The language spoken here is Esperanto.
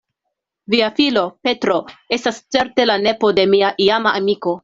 Via filo, Petro, estas certe la nepo de mia iama amiko.